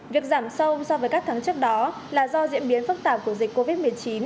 việc giảm sâu so với các tháng trước đó là do diễn biến phức tạp của dịch covid một mươi chín